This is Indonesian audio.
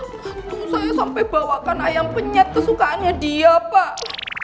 makanya saya sampai bawakan ayam penyat kesukaannya dia pak